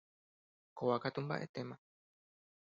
Kóva katu mbaʼetéma.